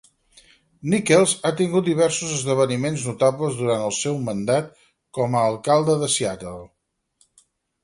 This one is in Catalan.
Nickels ha tingut diversos esdeveniments notables durant el seu mandat com a alcalde de Seattle.